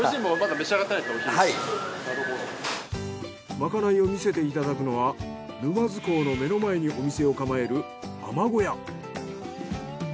まかないを見せていただくのは沼津港の目の前にお店を構える海女小屋。